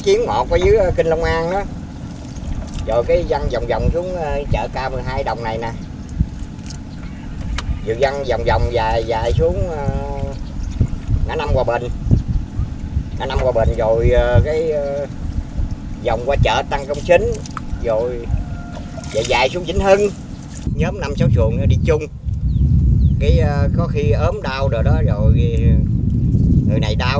chính rồi dài xuống chính hơn nhóm năm mươi sáu chuồng đi chung cái có khi ốm đau rồi đó rồi người này đau